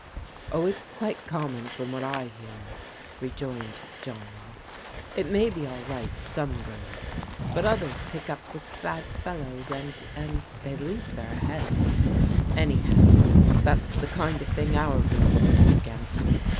"Oh, it's quite common from what I hear," rejoined John. " It may be all right to some girls, but others pick up with bad fellows, and — and — they lose their heads. Anyhow, that's the kind of thing our girls are up against.